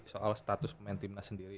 soal status pemain timnas sendiri